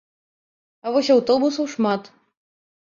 А вось аўтобусаў шмат.